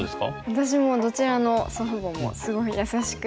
私もどちらの祖父母もすごい優しくて。